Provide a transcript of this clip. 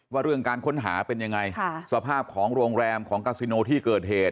ว่าเรื่องการค้นหาเป็นยังไงสภาพของโรงแรมของกาซิโนที่เกิดเหตุ